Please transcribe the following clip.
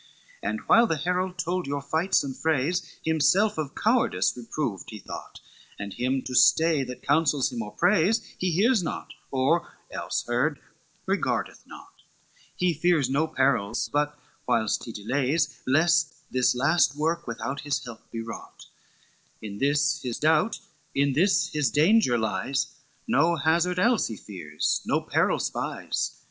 XI "And while the herald told your fights and frays, Himself of cowardice reproved he thought, And him to stay that counsels him, or prays, He hears not, or, else heard, regardeth naught, He fears no perils but whilst he delays, Lest this last work without his help be wrought: In this his doubt, in this his danger lies, No hazard else he fears, no peril spies.